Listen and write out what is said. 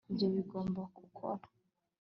ibyo bigomba gukora